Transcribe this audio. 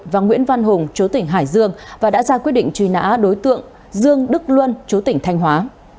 và nguyễn văn hùng chú tỉnh hải dương và đã ra quyết định truy nã đối tượng dương đức luân chú tỉnh thanh hóa